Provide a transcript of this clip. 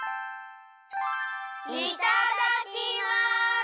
いただきます！